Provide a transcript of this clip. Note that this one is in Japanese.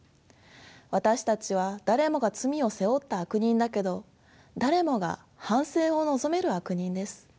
私たちは誰もが罪を背負った悪人だけど誰もが反省を望める悪人です。